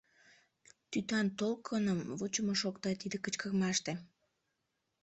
Тӱтан-толкыным вучымо шокта тиде кычкырымаште.